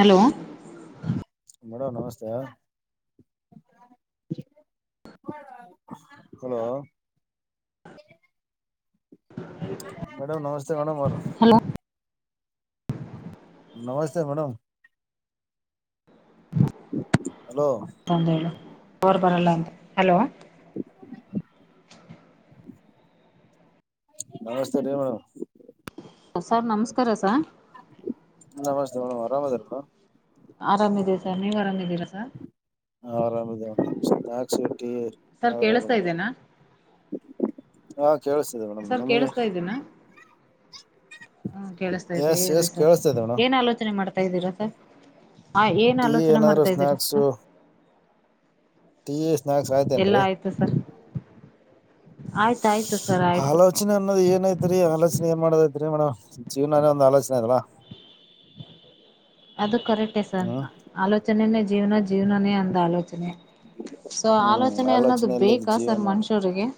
Hello! [inaudible] Madam, ನಮಸ್ತೆ. [inaudible] Hello. [unintelligible] [inaudible] [unintelligible] Hello, ನಮಸ್ತೆ, madam, hello! [inaudible] Hello. [inaudible] ನಮಸ್ತೆ, ಮೇಡಮ್. [inaudible] [inaudible] [unintelligible] ಹಲೋ. [unintelligible] ಹೌದು, ಹೇಳು, ಅವ್ರು, ಬರಲ್ಲ, ಅಂತ, ಹಲೋ. [inaudible] ನಮಸ್ತೆ, ದೇವ್ರು! [inaudible] ಆ, ಸರ್, ನಮಸ್ಕಾರ, ಸರ್. ನಮಸ್ತೆ ಮೇಡಮ್ ಆರಾಮದೀರ ಮೇಡಮ್ [inaudible] ಆರಾಮ್ದೀರ, ಸರ್, ನೀವು, ಆರಾಮ್ದೀರಾ, ಸರ್? [inaudible] ಆರಾಮ್, ಇದ್ದೀವಿ, ಸಾಕು, ಸಕ್ಕಿ... [inaudible] ಸರ್, ಕೇಳಿಸತಾ, ಇದ್ದೇನಾ? [inaudible] ಹಾ, ಕೇಳಿಸತಿದೆ, ಮೇಡಮ್, ನಿಮ್ಗೆ? [inaudible] ದಿನ? [inaudible] ಹ, ಕೇಳಿಸಥೈತೆ, ಎಸ್ ಹೇಳ್ರಿ, ಎಸ್ ಸರ್, ಕೇಳಿಸ್ತಿದೆ ಮೇಡಮ್ ಏನ್, ಆಲೋಚನೆ ಮಾಡ್ತಾ! ಇದ್ದೀರ, ಸರ್. [inaudible] ಹ, ಏನ್, ಟೀ ಆಲೋಚನೆ, ಏನಾದ್ರು ಮಾಡ್ತಾ, ಇದ್ದೀರ, ಸ್ನಾಕ್ಸು ಅಂತ? [inaudible] ಟೀ, ಸ್ನ್ಯಾಕ್ಸ್, ಆಯ್ತಾ, ಬ್ರೋ? [inaudible] ಇತು, ಸರ್, ಆಯ್ತು, ಆಯ್ತು, ಸರ್, ಆಯ್ತು. [inaudible] ನೆಚ್ಚಿನ ಹಮ್ಮೈ, ಏನಾಯ್ತು ರಿ, ಅಲೋಚನೆ, ಮಾಡೋದು, ಆಯ್ತು, ರಿ, ಮೇಡಂ ಚೆನ್ನಾಗಿ ಆಯ್ತಲ್ಲ? [inaudible] ಅದು, ಕರೆಕ್ಟೇ, ಸರ್, ಹ್ಮ್ ಆಲೋಚನೆನೇ! ಜೀವನ ಜೀವ್ನನೇ, ಒಂದು, ಆಲೋಚನೆ? [inaudible] ಸೊ, ಹ್ಮ್ ಆಲೋಚನೆ, ಅನ್ನೋದು, ಆಲೋಚನೆಯಲ್ಲಿದ್ ಬೇಕಾ, ಸರ್ ಜೀವನ ಮನುಷ್ಯರಿಗೆ? [inaudible]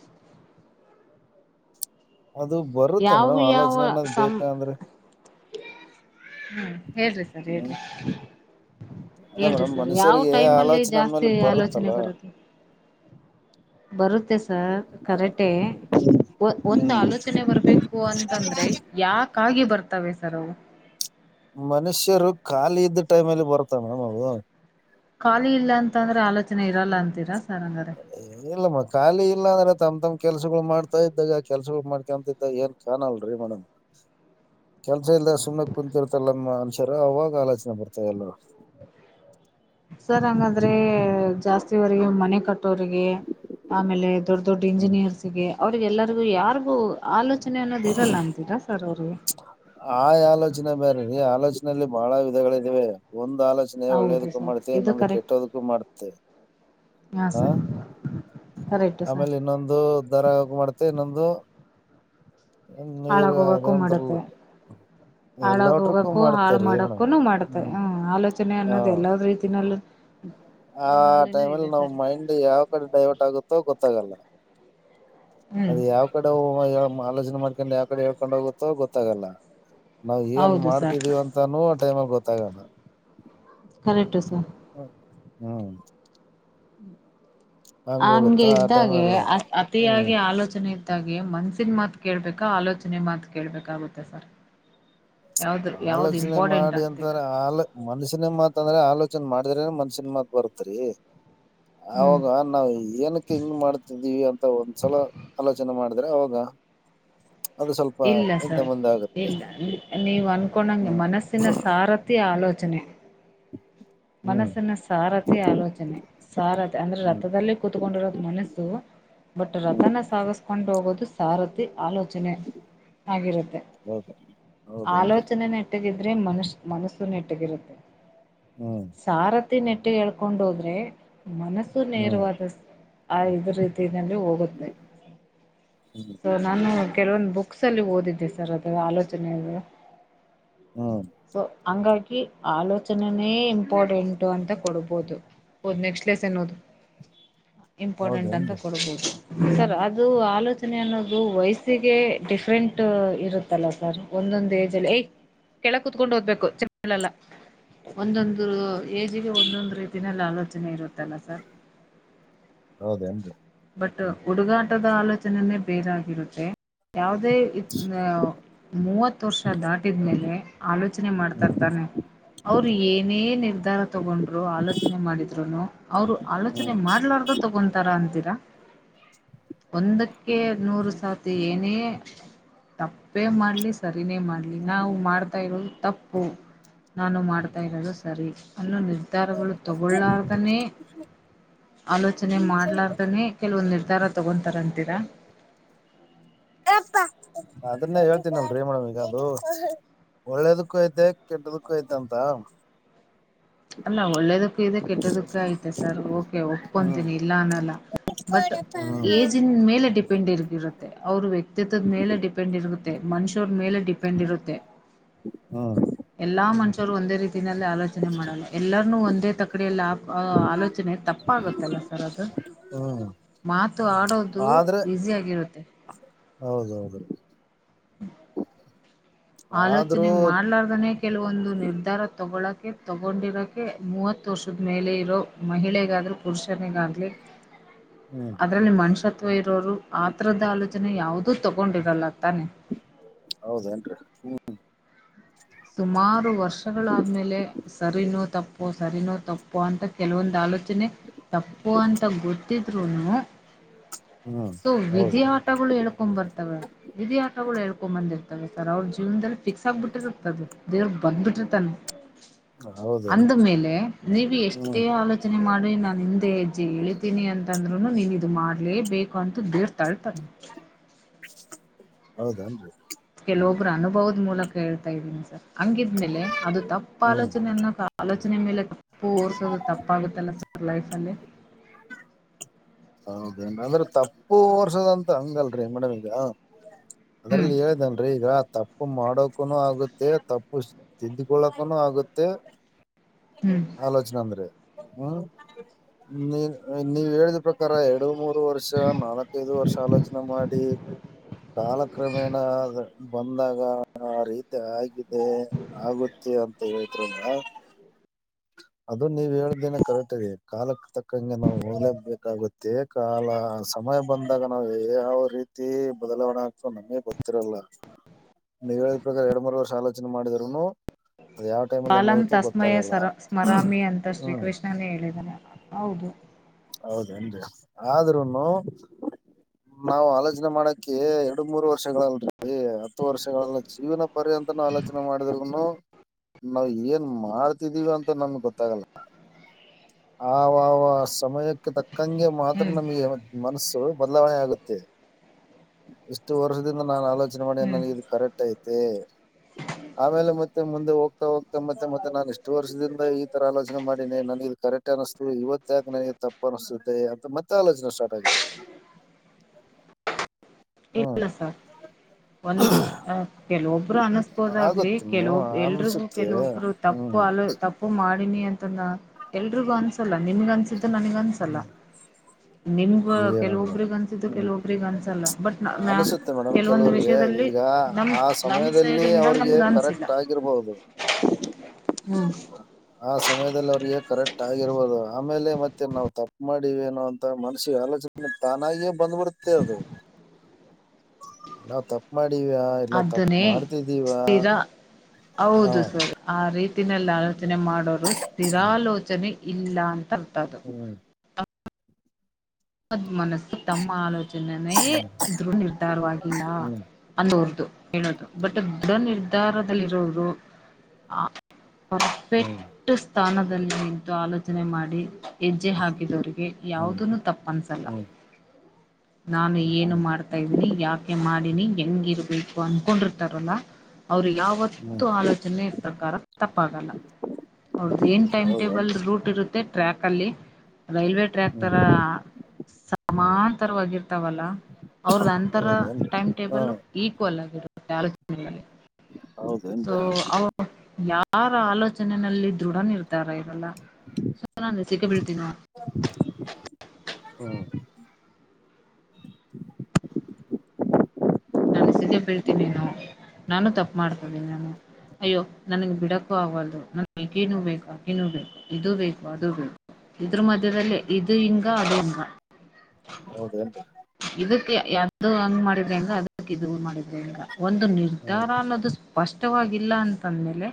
ಅದು, ಬರುತ್ತೆ, ಯಾವ ಮೇಡಮ್, ಯಾವ ಆಲೋಚನೆ ಅನ್ನೋದ್, ಸಂ ಬೇಕ, ಅಂದ್ರೆ? [inaudible] ಹ್ಮ್, ಹೇಳ್ರಿ, ಸರ್, ಹ್ಮ್ ಹೇಳ್ರಿ? [unintelligible] ಅಲ್ಲ ಹೇಳ್ರಿ, ಮೇಡಮ್ ಸರ್, ಯಾವ, ಮನುಷ್ಯರಿಗೆ ಟೈಮ್ಲ್ಲಿ, ಆಲೋಚನೆ ಅಂದ್ಮೇಲೆ ಜಾಸ್ತಿ ಆಲೋಚನೆ, ಬರುತ್ತಲ್ಲ ಬರೋದು? [inaudible] ಬರುತ್ತೆ ಸರ್ ಕರೆಟೇ ಒಂದು ಆಲೋಚನೆ ಬರ್ಬೇಕು ಕು ಅಂತಂದ್ರೆ ಯಾಕಾಗಿ ಬರ್ತವೆ ಸರ್ ಅವು. ಮನುಷ್ಯರು ಖಾಲಿ ಇದ್ದ ಟೈಮ್ ಅಲ್ಲಿ ಬರುತ್ತ ಮೇಡಮ್ ಅವು. ಖಾಲಿ ಇಲ್ಲ ಅಂತ ಅಂದ್ರೆ ಆಲೋಚನೆ ಇರಲ್ಲ ಅಂತೀರಾ ಸರ್ ಹಂಗಾರೆ. ಏ ಇಲ್ಲಮ್ಮ ಖಾಲಿ ಇಲ್ಲ ಅಂದ್ರೆ ತಮ್ ತಮ್ ಕೆಲ್ಸಗಳು ಮಾಡ್ತಾ ಇದ್ದಾಗ ಕೆಲ್ಸಗಳು ಮಾಡ್ಕೊಂತಿದ್ದ ಏನ್ ಚಾನೆಲ್ ರೀ ಮೇಡಂ. ಕೆಲ್ಸ ಇಲ್ದೆ ಸುಮ್ನೆ ಕುಂತಿರ್ತಾರಲ್ಲಾ ಮನ್ಶ್ರು ಅವಾಗ ಆಲೋಚನೆ ಬರ್ತಾವೆ ಎಲ್ಲರು. ಸರ್ ಹಂಗಾದ್ರೆ ಜಾಸ್ತಿವರೆಗೆ ಮನೆ ಕಟ್ ಕ್ಟೋರಿಗೆ ಆಮೇಲೆ ದೊಡ್ಡ ದೊಡ್ಡ ಹ್ಮ್ ಇಂಜಿನಿಯರ್ಸ್ಗೆ ಅವ್ರಿಗೆ ಎಲ್ಲಾರ್ಗು ಯಾರ್ಗೂ ಆಲೋಚನೆ ಅನ್ನೋದು ಇರಲ್ಲ ಅಂತೀರಾ ಸರ್ ಅವ್ರಿಗೆ. ಆ ಆಲೋಚನೆ ಬೇರೇರಿ ಆಲೋಚನೆಯಲ್ಲಿ ಬಹಳ ವಿಧಗಳಿದ್ದಾವೆ ಒಂದು ಆಲೋಚನೆ ನೆ ಹೌದು ಒಳ್ಳೇದಕ್ಕೂ ಸರ್ ಮಾಡ್ತೆ ಇದು ಇನ್ನೊಂದು ಕರೆ ಕೆಟ್ಟೋದಕ್ಕೂ ಮಾಡ್ತೆ ಹಾಂ ಹಾ ಸರ್ ಕರೆಕ್ಟು ಸರ್ ಆಮೇಲೆ ಇನ್ನೊಂದು [unintelligible] ಮಾಡ್ತೀವಿ ಇನ್ನೊಂದು [unintelligible] ಹಾಳಾಗ್ ಎಲ್ಲಾಟ್ರಕ್ಕೂ ಹೋಗಕು ಹಾಳ್ ಮಾಡ್ತೇರಿ ಮೇಡಮ್ ಮಾಡಕ್ಕುನು ಮಾಡ್ತೇವೆ ಹ್ಮ್ ಆಲೋಚನೆ ಹಾ ಅನ್ನೋದು ಎಲ್ಲದ್ ರೀತಿನಲ್ ಆ ಟೈಮಲ್ಲಿ ನಾವ್ ಮೈಂಡ್ ಯಾವ ಕಡೆ ಡೈವರ್ಟ್ ಆಗುತ್ತೋ ಗೊತ್ತಾಗಲ್ಲ. ಹ್ಮ್ ಅದ ಯಾವ್ ಕಡೆ ಹೋಗೋ ಆಲೋಚನೆ ಮಾಡ್ಕೊಂಡು ಯಾವ್ ಕಡೆ ಎಳ್ಕೊಂಡ್ ಹೋಗುತ್ತೋ ಗೊತ್ತಾಗಲ್ಲ. ನಾವು ಏನ್ ಹೌದು ಸರ್ ಮಾಡ್ತಿದೀವ್ ಅಂತಾನೂ ಟೈಮಾಗ್ ಗೊತ್ತಾಗಲ್ಲ. Correct sir. ಹ್ಮ್. ಹಂಗ ಹಂಗೆ ಹೋಗುತ್ತಾ ಆ ಇದ್ದಾಗೆ ಟೈಮಲ್ಲೇ ಅ ಹ್ಮ್ ಅತಿಯಾಗಿ ಆಲೋಚನೆ ಇದ್ದಾಗಿ ಮನ್ಸಿನ ಮಾತ್ ಕೇಳ್ಬೇಕಾ ಆಲೋಚನೆ ಮಾತ್ ಕೇಳ್ಬೇಕಾಗುತ್ತೆ ಸರ್. ಯಾವ್ದ ಯಾವ್ದು ಆಲೋಚನೆ ಇಂಪಾರ್ಟೆಂಟ್ ಮಾಡಿ ಅಂತೀರಾ ಅಂತಾರೆ ಆಲ ಮನ್ಸಿನ ಮಾತ್ ಅಂದ್ರೆ ಆಲೋಚನೆ ಮಾಡಿದ್ರೇನ ಮನ್ಸಿನ ಮಾತ್ ಬರ್ತ್ರಿ. ಹ್ಮ್ ಆವಾಗ ನಾವು ಏನಕ್ ಹಿಂಗ್ ಮಾಡ್ತಿದ್ದೀವಿ ಅಂತ ಒಂದ್ಸಲ ಆಲೋಚನೆ ಮಾಡ್ ದ್ರೆ ಅವಾಗ ಅದು ಸ್ವಲ್ಪ ಇಲ್ಲ ಹಿಂದೆ ಸರ್ ಮುಂದ ಆಗುತ್ತೆ. ಇಲ್ಲ ನೀವು ಅನ್ಕೊಂಡಂಗೆ ಹ್ಮ್ ಮನಸ್ಸಿನ ಸಾರಥಿ ಆಲೋಚನೆ. ಹ್ಮ್ ಮನಸ್ಸಿನ ಸಾರಥಿ ಆಲೋಚನೆ ಸಾರಥಿ ಅಂದ್ರೆ ಹ್ಮ್ ರಥದಲ್ಲಿ ಕೂತ್ಕೊಂಡಿರೋದು ಮನಸ್ಸು ಬಟ್ ರಥನ ಸಾಗಸ್ಕೊಂಡ್ ಹೋಗೋದು ಸಾರಥಿ ಆಲೋಚನೆ ಆಗಿರುತ್ತೆ. ಹೌದ ಹೌದೇನ್ರಿ ಆಲೋಚನೆ ನೆಟ್ಟಗಿದ್ರೆ ಮನಷ ಮನಸ್ಸು ನೆಟ್ಟಗಿರುತ್ತೆ. ಹ್ಮ್. ಸಾರಥಿ ನೆಟ್ಟಗ್ ಎಳ್ಕೊಂಡ್ ಹೋದ್ರೆ ಮನಸ್ಸು ಹ್ಮ್ ನೇರವಾದ ಆ ಇದ್ರ [inaudible] ಹೋಗುತ್ತೆ ಹ್ಮ್ ಸೊ ನಾನು ಕೆಲವೊಂದು ಬುಕ್ ಕ್ಸ್ ಅಲ್ಲಿ ಓದಿದ್ದೆ ಸರ್ ಅದ ಆಲೋಚನೆದು ಹ್ಮ್ ಸೊ ಹಂಗಾಗಿ ಆಲೋಚನೆನೇ ಇಂಪಾರ್ಟೆಂಟ್ ಅಂತ ಕೊಡಬಹುದು ಓದ್ ನೆಕ್ಸ್ಟ್ ಲೆಸನ್ ಓದು. ಇಂಪಾರ್ಟೆಂಟ್ ಅಂತ ಹೌದೇನ್ರಿ ಕೊಡ್ಬೋದು. ಸರ್ ಅದು ಆಲೋಚನೆ ಅನ್ನೋದು ವಯಸ್ಸಿಗೆ ಡಿಫ್ರೆಂಟ್ ಇರುತ್ ತ್ತಲ್ಲ ಸರ್ ಒಂದೊಂದು ಏಜಲ್ಲಿ ಏ ಕೆಳ ಕುತ್ಕೊಂಡು ಓದ್ಬೇಕು ಚ ಲ್ಲಲ್ಲ ಒಂದೊಂದ್ ಇದು ಏಜ್ಗೆ ಒಂದೊಂದು ರೀತಿನಲ್ಲಿ ಆಲೋಚನೆ ಇರುತ್ತಲ್ಲ ಸರ್. ಹೌದೇನ್ರಿ. ಬಟ್ ಹುಡುಗಾಟದ ಆಲೋಚನೆನೇ ಬೇರಾಗಿರುತ್ತೆ ಯಾವುದೇ ಇದ್ ಆ ಮೂವತ್ ವರ್ಷ ದಾಟಿದ್ಮೇಲೆ ಆಲೋಚನೆ ಮಾಡ್ತಾ ಹ್ಮ್ ಇರ್ತಾರೆ. ಅವರು ಏನೇ ನಿರ್ಧಾರ ತಗೊಂಡ್ರು ಆಲೋಚನೆ ಮಾಡಿದ್ರುನು ಅವರು ಆಲೋಚನೆ ಹ್ಮ್ ಮಾಡ್ಲಾರ್ದ ತಗೊಂತಾರ ಅಂತೀರಾ. ಒಂದಕ್ಕೆ ನೂರು ಸಾತಿ ಏನೇ. ತಪ್ಪೇ ಮಾಡ್ಲಿ ಸರಿನೇ ಮಾಡ್ಲಿ ನಾವು ಮಾಡ್ತಾ ಇರೋದು ತಪ್ಪು. ನಾನು ಮಾಡ್ತಾ ಇರೋದು ಸರಿ. ಅನ್ನ ನಿರ್ಧಾರಗಳು ತಗೊಳ್ಲಾರದನೆ ಆಲೋಚನೆ ಮಾಡ್ಲಾರದನೇ ಕೆಲವೊಂದು ನಿರ್ಧಾರ ತೊಗೊತಾರ ಅಂತೀರಾ. ಅದನ್ನೇ ಹೇಳ್ತೀನಿ ನಮ್ಮ. [unintelligible] ಒಳ್ಳೇದಕ್ಕೂ ಅಯ್ತೆ ಕೆಟ್ಟದಕ್ಕೂ ಅಯ್ತೆ ಅಂತ. [inaudible] ಅಲ್ಲ ಒಳ್ಳೇದಕ್ಕೂ ಇದೆ ಕೆಟ್ಟದಕ್ಕ ಐತೆ ಸರ್ ಓಕೆ ಹ್ಮ್ ಒಪ್ಕೊತೀನಿ ಇಲ್ಲ ಅನ್ನಲ್ಲ ಬಟ್ ಏಜ್ಯಿಂದು. ಮೇಲೆ ಡಿಪೆಂಡ್ ಇರ್ರುತ್ತೆ ಅವ್ರ ವ್ಯಕ್ತಿತ್ವದ ಮೇಲೆ ಡಿಪೆಂಡ್ ಇರುತ್ತೆ ಮನುಷ್ಯರ ಮೇಲೆ ಡಿಪೆಂಡ್ ಇರುತ್ತೆ. [inaudible] ಹ್ಮ ಎಲ್ಲಾ ಮನುಷ್ಯರು ಒಂದೇ ರೀತಿನಲ್ಲಿ ಆಲೋಚನೆ ಮಾಡಲ್ಲ ಎಲ್ಲರನುೂ ಒಂದೇ ತಾಕಡಿ. ಕಡೆ ಎಲ್ಲ ಆಲೋಚನೆ ತಪ್ಪ ಆಗುತ್ತಲ್ಲ ಸರ್ ಅದು. ಹ್ಮ್ ಮಾತು ಆಡೋದು ಈಸಿಯಗಿರುತ್ತೆ. ಹೌದೌದು. ಆದ್ರೂ ಆಲೋಚನೆ ಮಾಡ್ಲಾರ್ದನೇ-. ಕೆಲವೊಂದು ನಿರ್ಧಾರ ತೊಗೊಳಕ್ಕೆ ತೊಗೊಂಡಿರೋಕ್ಕೆೆ ಮೂವತ್ತು ವರ್ಷದ ಮೇಲೆ ಇರೋ. ಮಹಿಳೆಗಾದ್ರೂ ಪುರುಷನಿಗಾಗ್ಲಿ. [inaudible] ಅದರಲ್ಲಿ ಮನುಷ್ಯತ್ವ ಇರೋರು ಆತರದ ಆಲೋಚನೆ ಯಾವುದೂ ತೊಗೊಂಡಿರಲ್ಲ ತಾನೆ. ಹೌದೇನ್ರಿ ಹ್ಮ. ಸುಮಾರು ವರ್ಷಗಳಾದ್ಮೇಲೆ. ಸರಿನೋ ತಪ್ಪೋ ಸರಿನೋ ತಪ್ಪೋ ಅಂತ ಕೆಲವೊಂದು ಆಲೋಚನೆ. ತಪ್ಪು ಅಂತ ಗೊತ್ತಿದ್ರುನು ಹ್ಮ್ ಸೊ ವಿಧಿಯ ಹೌದ್ರಿ ಆಟಗಳು ಹೇ ಹಕೊಂಡ್ ಬರ್ತವೆ ವಿದಿ ಆಟಗಳು ಹೇಳ್ಕೊಂಡ್ ಬಂದಿರ್ತವೆ ಸರ್ ಅವ್ರ ಜೀವನದಲ್ಲಿ ಫಿಕ್ಸ್ ಆಗ್ಬಿಟ್ಟಿದ್ರರು. ದೇವ್ರ ಬಂದ್ಬಿಟ್ಟಿರ್ತಾನೆ. ಅಂದ ಹೌದೇನ್ರಿ ಮೇಲೆ ನೀವು ಎಷ್ಟೇ ಹ್ಮ್ ಆಲೋಚನೆ ಮಾಡಿ ನಾನು. ಹೆಜ್ಜೆಯ ಇಳಿತೀನಿ ಅಂತಂದ್ರುನು ನೀನ್ ಇದು ಮಾಡ್ಲೇಬೇಕು ಅಂತ ಬೀರ್ ತಾಳ್ತಾನ. ಹೌದನ್ರಿ. ಕೆಲವೊಬ್ರು ಅನುಭವದ ಮೂಲಕ ಹೇಳ್ತಾ ಇದ್ದೀನಿ ಸರ್ ಹಂಗಿದ್ಮೇಲೆ ಅದು ತಪ್ಪ ಹ್ಮ್ ಆಲೋನನ್ನ. ಆಲೋಚನೆ ಮೇಲೆ ತಪ್ಪು ಓದಿರ್ಸೋದು ತಪ್ಪಾಗುತ್ತಲ್ಲ ಸರ್ ಲೈಫಲ್ಲಿ. ಹೌದೇ ಅಂದ್ರೆ ತಪ್ಪು ಹೋರಿಸೋದು ಹಂಗಲ್ರಿ ಮೇಡಮ್ ಈಗ. ಹ್ಮ್ ಅದ್ರಲ್ಲಿ ಹೇಳ್ದೇನೀ ಈಗ ಆ ತಪ್ಪು. ತಪ್ಪು ಮಾಡೋಕನು ಆಗುತ್ತೆ ತಪ್ಪು ತಿಂದ್ಕೊಳ್ಳಕನು ಆಗುತ್ತೆ. ಹ್ಮ್ ಆಲೋಚನಾ ಅಂದ್ರೆ ಹ್ಮ ನೀ ನೀವ್ ಹೇಳ. ಪ್ರಕಾರ ಎರಡು ಮೂರು ವರ್ಷ ನಾಲ್ಕೈದು ವರ್ಷ ಆಲೋಚನೆ ಮಾಡಿ. ಕಾಲಕ್ರಮೇಣ ಅದೇ ಬಂದು. ಬಂದಾಗ ಆರೀತಿ ಆಗಿದೆ ಆಗುತ್ತೆ ಅಂತ ಹೇಳಿದ್ರಿಂದ. ಅದು ನೀವ್ ಎರಡ್ದಿನ ಕರೆಕ್ಟ್ ಹಾಗಿ ಕಾಲಕ್ಕೆ ತಕ್ಕಂಗೆ ನಾವು ಬೇಕಾಗುತ್ತೆ. ಮತ್ತ ಕಾಲ ಸಮಯ ಬಂದಾಗ ನಾವ್ ಯಾವ ರೀತಿ ಬದಲಾವಣೆ ಆಗ್ತೋ ನಮಗೆ ಗೊತ್ತಿರಲ್ಲ [inaudible] ನೀವು ಹೇಳಿದ ಪ್ರಕಾರ ಎರಡು ಮೂರು ವರ್ಷ ಆಲೋಚನೆ ಮಾಡಿದ್ರುನು ಅದು ಯಾವ್ ಟೈಮಲ್ಲಿ ಹೆಂಗ ಆಗುತ್ತೋ ಗೊತ್ತಾಗಲ್ಲ. ಮರಾಮಿ ಅಂತ ಹ್ಮ್ ಶ್ರೀಕೃಷ್ಣನೇ ಹೇಳಿದ್ದಾನೆ ಹೌದು. ಹೌದೇನ್ರಿ ಆದ್ರೂನು ನಾವು ಆಲೋಚನೆ ಮಾಡೋಕೆ ಎರಡು ಮೂರು ವರ್ಷಗಳು ಅಲ್ರೀ ಹತ್ತು ವರ್ಷಗಳಲ್ಲ ಜೀವನ ಪರಿಯಂತನೂ ಆಲೋಚನೆ ಮಾಡಿದ್ರೂನು ನಾವು ಏನ್ ಮಾಡ್ತಿದೀವಿ ಅಂತ ನಮಗ್ ಗೊತ್ತಾಗಲ್ಲ. ಆವವ ಸಮಯಕ್ಕೆ ತಕ್ಕಂಗೆ ಮಾತ್ರ ಹ್ಮ್ ನಮಗೆ ಮನಸ್ಸು ಬದಲಾವಣೆ ಆಗುತ್ತೆ. ಇಷ್ಟು ವರ್ಷದಿಂದ ನಾನ್ ಆಲೋಚನೆ ಮಾಡಿ ಹ್ಮ್ ನನಗೆ ಇದು ಕರೆಕ್ಟ್ ಐತೆ. ಆಮೇಲೆ ಮತ್ತೆ ಮುಂದೆ ಹೋಗ್ತಾ ಹೋಗ್ತಾ ಮತ್ತೆ ಮತ್ತೆ ನಾನು ಇಷ್ಟು ವರ್ಷದಿಂದ ಈ ತರ ಆಲೋಚನೆ ಮಾಡಿನೆ ನಾನಗೆ ಇದು ಕರೆಕ್ಟ್ ಸು ಅನುಸ್ತೂ ಇವತ್ತು ಯಾಕ ನನಗೆ ತಪ್ಪು ಅನಿಸ್ತುತ್ತೆ ಅಂತ ಮತ್ತೆ ಆಲೋಚನೆ ಸ್ಟಾರ್ಟ್ ಆಯಿತ್ತು. ಇಲ್ಲ ಹ್ಮ್ ಸರ್ ಒಂದ ಹ ಕೆಲವೊಬ್ಬರು ಅನಸ್ಕೋದಾಗ್ಲಿ ಆಗುತ್ತೆ ಮೇಡಮ್ ಕೆಲವೊಬ್ಬರು ಎಲ್ರಿಗೂ ಅನ್ಸುತ್ತೆ ಕೆಲವೊಬ್ಬರು ತಪ್ಪು ಹ್ಮ್ ಅ ತಪ್ ಪು ಮಾಡಿನಿ ಅಂತ ಎಲ್ಲರಿಗೂ ಅನ್ಸಲ್ಲ ನಿನಗೆ ಅನ್ನಿಸಿದೆ ನನಗ್ ಅನ್ಸಲ್ಲ ನಿನ್ಗೂ ಏನ ಮೇಡಮ್ ಕೆಲವೊಬ್ಬರಿಗೆ ಅನ್ಸಿದ್ದು ಹ್ಮ್ ಕೆಲವೊಬ್ಬರಿಗೆ ಅನ್ಸಲ್ಲ ನಾ ನಾ ಅನಿಸುತ್ತೆ ಮೇಡಮ್ ಕೆಲವೊಂದು ಕೆಲವರಿಗೆ ವಿಷಯದಲ್ಲಿ ಈಗ ನಮ್ ಆ ನಮ್ ಸೈಡ್ ಸಮಯದಲ್ಲಿ ಇಂದ ಅವ್ರಿಗೆ ನಮಗೆ ಅನ್ಸಿಲ್ಲ. ಕರೆಕ್ಟ್ ಆಗಿರ್ಬಹುದು ಹ್ಮ ಆ ಸಮಯದಲ್ಲಿ ಅವರಿಗೆ ಕರೆಕ್ಟ್ ಆಗಿರ್ಬೋದು ಆಮೇಲೆ ಮತ್ತೆ ನಾವು ತಪ್ಪು ಮಾಡಿವಿ ಏನೋ ಅಂತ ಮನಸಿಗೆ ಆಲೋಚನೆ ತಾನಾಗೇ ಬಂದ್ಬಿಡ್ತೆ ಅದು. ಅ [unintelligible] ನಾವು ತಪ್ಪು ಮಾಡಿವ ಇಲ್ಲಾ ತಪ್ಪು ಅದನ್ನೇ ಮಾಡ್ತಿದ್ದೀವಾ ಸ್ಥಿರ ಹಾ ಹೌದು ಸರ್ ಆ ರೀತಿನಲ್ಲಿ ಆಲೋಚನೆ ಮಾಡೋರು ಹ್ಮ್ ಸ್ಥಿರಾಲೋಚನೆ ಇಲ್ಲ ಅಂತ ಅರ್ಥ ಅದು. ಹ್ಮ್ ದ್ ಮನಸ್ಸು ತಮ್ಮ ಆಲೋಚನನೇ ಹ್ಮ್ ಇದ್ರೂ ನಿರ್ಧಾರವಾಗಿಲ್ಲ. ಹ್ಮ್ ಅನ್ನೋರದು ಹೇಳೋದು ಬಟ್ ದೃಢ ನಿರ್ಧಾರದಲ್ಲಿರೋರು ಆ ಹ್ಮ್ ಪರ್ಫೆಕ್ಟ್ ಸ್ಥಾನದಲ್ಲಿ ನಿಂತು ಆಲೋಚನೆ ಮಾಡಿ ಹೆಜ್ಜೆ ಹಾಕಿದವರಿಗೆ ಹ್ಮ್ ಯಾವುದುನೂ ತಪ್ಪನಸಲ್ಲ ಹ್ಮ್ ನಾನು ಏನು ಹ್ಮ್ ಮಾಡ್ ತ್ತದನಿ ಯಾಕೆ ಮಾಡಿನಿ ಹೆಂಗಿರ್ಬೇಕು ಅನ್ಕೊಂಡಿರ್ತಾರಲ್ಲ ಅವರು ಯಾವತ್ ಹ್ಮ್ ತು ಆಲೋಚನೆ ಪ್ರಕಾರ ತಪ್ಪಾಗಲ್ಲ. ಅವರದ್ದು ಏನ್ ಟೈಮ್ ಟೇಬಲ್ ಹೌದೇನ್ರಿ ರೂಟ್ ಇರುತ್ತೆ. ಟ್ರ್ಯಾಕ್ ಅಲ್ಲಿ ರೈಲ್ವೆ ಟ್ರ್ಯಾಕ್ ಹ್ಮ್ ತರ ಸಮನ್ ರರ್ತಾವಲ್ಲಾ ಅವರದು ಅಂತರ ಹೌದೇನ್ರಿ ಟೈಮ್ ಹಾ ಟೇಬಲ್ ಇಕ್ವಲ್ ಆಗಿರುತ್ತೆ ಯಾರು ಕೇಳಲ್ಲ ಅಲ್ಲಿ. ಸೊ ಹೌದೇನ್ರಿ ಅವ ಯಾರು ಆಲೋಚನೆಲ್ಲಿ ದೃಢ ನಿರ್ಧಾ ಇರ್ತ ತ್ತಾರ ಇರಲ್ಲ ಸೊ ನಾನು ಸಿಕ್ಕ ಬೀಳ್ತೀನೊ. [unintelligible] ಹ್ಮ್ ನಾನು ಸಿದೇ ಬಿಳ್ತೀನೆ ಏನು ನಾನು ತಪ್ಪು ಮಾಡತ ಇದ್ದೀನೆನೊ ಅಯ್ಯೋ ನನಗೆ ಬಿಡಕ್ಕು ಆಗಲ್ದು ನನ್ಕೆ ಆಕಿನೂ ಬೇಕು ಆಕನೂ ಬೇಕು ಇದು ಬೇಕು ಅದುೂ ಬೇಕು ಇದ್ರ ಮಧ್ಯದಲ್ಲಿ ಇದು ಹಿಂಗ ಅದು ಹಿಂಗ ಹೌದೇನ್ ಇದಕ್ಕೆ ಯಾರದೋ ಹಂಗ್ ಮಾಡಿದ್ದಾರೆ ಹಂಗ ಅದಕ್ಕೆ ಇದು ಮಾಡಿದ್ರಿ ಹಂಗ ಒಂದು ಹ್ಮ್ ನಿರ್ಧಾರ ಅನ್ನೋದು. ಸ್ಪಷ್ಟವಾಗಿಲ್ಲ ಅಂತಂದ್ಮೇಲೆ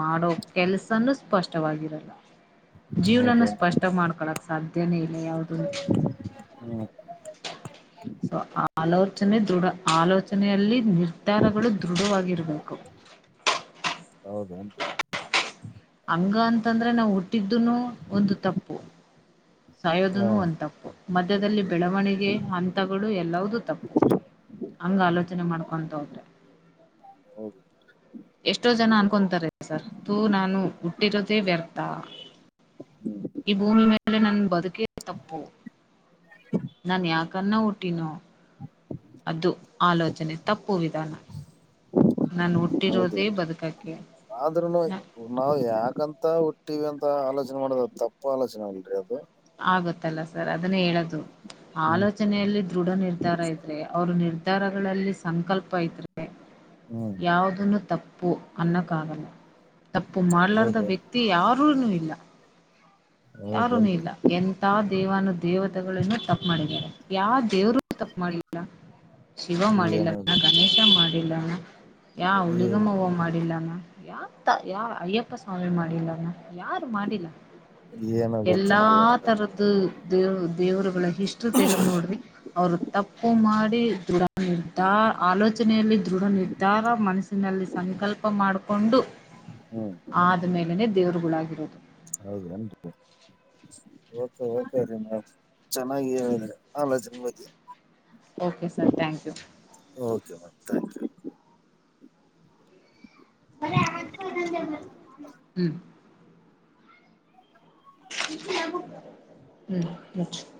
ಮಾಡೋ ಕೆಲಸನೂ ಸ್ಪಷ್ಟವಾಗಿರಲ್ಲ. ಜೀವನನೂ ಹೌದೇನ್ರಿ ಸ್ಪಷ್ಟ ಮಾಡ್ಕೊಳಕ್ ಸಾಧ್ಯನೇ ಇಲ್ಲ ಯಾವುದನೂ ಹ್ಮ ಸೊ ಆಲೋಚನೆ ದೃಢ ಆಲೋಚನೆಯಲ್ಲಿ ನಿರ್ಧಾರಗಳು ದೃಢವಾಗಿರಬೇಕು. ಹೌದುನು [inaudible] ಹಂಗ ಅಂತಂದ್ರನನಾವು ಹುಟ್ಟಿದ್ದುನು ಒಂದು ತಪ್ಪು. ಹಾ ಸಾಯೋದನು ಒಂದ್ ತಪ್ಪು ಮಧ್ಯದಲ್ಲಿ ಬೆಳವಣಿಗೆ ಹಂತಗಳು ಎಲ್ಲದು ತಪ್ಪು. ಹಂಗ ಆಲೋಚನೆ ಮಾಡ್ಕೊಂತಹೋದ್ರೆ- ಹೌದು ಎಷ್ಟೋ ಜನ ಅನ್ಕೊಂತಾರೆ ಸರ್ ತೂ ನಾನು ಹುಟ್ಟಿರೋದೇ ವ್ಯರ್ಥ. ಹ್ಮ್ [inaudible] ಈ ಭೂಮಿ ಮೇಲೆ ನನ್ ಬದುಕಿದೆ ತಪ್ಪು ನಾನ್ ಯಾಕನ್ನ ಹುಟ್ಟಿನೋ ಅದು ಆಲೋಚನೆ ತಪ್ಪು ವಿಧಾನ ನಾನು ಹುಟ್ಟಿರೋದೇ ಬದುಕಕ್ಕೆ ಆದ್ರೂ ನೋಯ್ [unintelligible] ನಾವು ಯಾಕಂತ ಹುಟ್ಟಿವಂತ ಆಲೋಚನೆ ಮಾಡದ ತಪ್ಪ ಆಲೋಚನೆ ಅಲ್ರಿ ಅದು ಆಗತ್ತಲ್ಲ ಸರ್ ಅದನ್ನೇ ಹೇಳೋದು ಹ್ಮ್ ಆಲೋಚನೆಯಲ್ಲಿ ದೃಢ ನಿರ್ಧಾರ ಇದ್ರೆ ಅವ್ರು ನಿರ್ ವಿಚಾರಗಳಲ್ಲಿ ಸಂಕಲ್ಪ ಇತ್ತು ಹ್ಮ [inaudible] ಯಾವುದನ್ನು ತಪ್ಪು ಅನ್ನೋಕ್ಕಾಗಲ್ಲ. ತಪ್ಪು ಮಾಡ್ಲಾರ್ದ ಹೌದೇನ್ರಿ ವ್ಯಕ್ತಿ ಯಾರೂನು ಇಲ್ಲಾ ಯಾರುನು ಹೌದೇನ್ರಿ ಇಲ್ಲ ಎಂತ ದೇವಾನ ದೇವತೆಗಳು ತಪ್ಪು ಮಾಡಿದ್ದಾರೆ. ಯಾವ ದೇವ್ರು ತಪ್ಪ ಮಾಡಲ್ಲಾ ಶಿವ ಏನ ಮಾಡಿಲ್ಲಗಣೇಶ ಗೊತ್ತಿಲ್ರಿ ಮಾಡಿಲ್ಲಣ್ಣ ಯಾ ಉಳಗ [unintelligible] ಮಾವ ಮಾಡಿಲ್ಲಮ್ಮ ಯಾ ಯಾ ಅಯ್ಯಪ್ಪ ಸ್ವಾಮಿ ಮಾಡಿಲ್ಲಾನ ಯಾರು ಮಾಡಿಲ್ಲ ಏನ ಎಲ್ಲಾ ಗೊತ್ತಿಲ್ರಿ ಮೇಡಮ್ ತರದ ದೇವ್ ದೇವರುಗಳ ಹಿಸ್ಟ್ರಿ ತೆಗೆದು ನೋಡ್ರಿ ಅವರು ತಪ್ಪು ಮಾಡಿ ದೃಢ ನಿರ್ಧಾರ ಆಲೋಚನೆಯಲ್ಲಿ ದೃಢ ನಿರ್ಧಾರ ಮನಸ್ಸಿನಲ್ಲಿ ಸಂಕಲ್ಪ ಮಾಡಿಕೊಂಡು ಹ್ಮ್ [inaudible] ಆದ ಮೇಲೇನೆ ದೇವರುಗಳಾಗಿರೋದು. ಹೌದ ರಿ ಹೆಂಗ್ ಇತ್ [unintelligible] ಓಕೆ ಓಕೆ ರೀನಾ ಚೆನ್ನಾಗಿ ಹೇಳಿದ್ರೆ ಆಲ ಜನ್ ಬಗ್ಗೆ [unintelligible] okay sir thank you. Okay, ಮಾ ಥ್ಯಾಂಕ್ ಯು ಅ [unintelligible] ಹೂಂ [inaudible] ಹ್ಮ್, [inaudible] ಮುಚ್ಚು